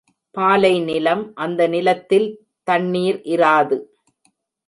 பாலை நிலம் அந்த நிலத்தில் தண்ணிர் இராது.